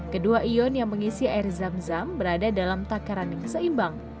kedua ion yang mengisi air zam zam berada dalam takaran yang seimbang